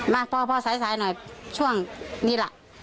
มาพอสายหน่อยช่วงนี้ล่ะ